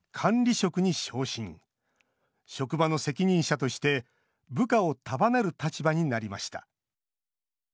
職場の責任者として部下を束ねる立場になりました。